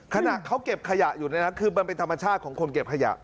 ขณะเขาเก็บขยะอยู่เนี่ยนะคือมันเป็นธรรมชาติของคนเก็บขยะ